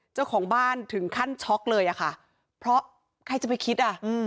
เจ้าของบ้านถึงขั้นช็อกเลยอะค่ะเพราะใครจะไปคิดอ่ะ